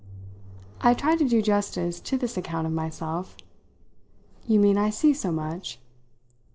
I tried to do justice to this account of myself. "You mean I see so much?"